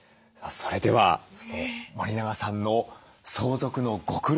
それでは森永さんの相続のご苦労